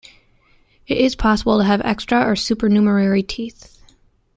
It is possible to have extra, or "supernumerary," teeth.